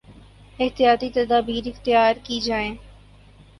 احتیاطی تدابیراختیار کی جائیں